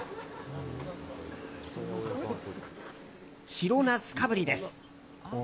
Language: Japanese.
白ナスかぶりです。